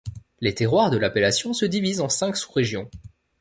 Les terroirs de l'appellation se divisent en cinq sous-régions.